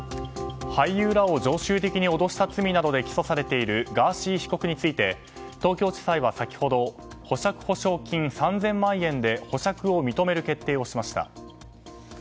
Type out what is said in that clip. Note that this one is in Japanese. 俳優らを常習的に脅した罪などで起訴されているガーシー被告について東京地裁は先ほど保釈保証金３０００万円で保釈を認める決定をしました。